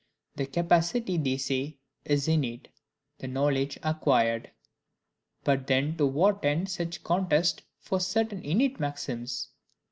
The capacity, they say, is innate; the knowledge acquired. But then to what end such contest for certain innate maxims?